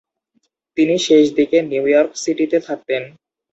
তিনি শেষদিকে New York সিটিতে থাকতেন।